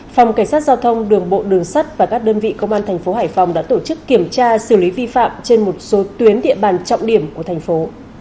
phòng cảnh sát giao thông đường bộ đường sắt và các đơn vị công an thành phố hải phòng đã tổ chức kiểm tra xử lý vi phạm trên một số tuyến địa bàn trọng điểm của thành phố